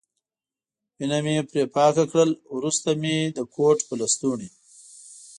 وینه مې پرې پاکه کړل، وروسته مې د کوټ په لستوڼي.